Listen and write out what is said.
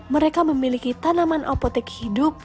mereka memiliki tanaman apotek hidup